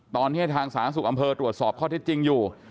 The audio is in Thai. ตอนนี้ให้ทางสาธารณสุขอำเภอตรวจสอบข้อเท็จจริงอยู่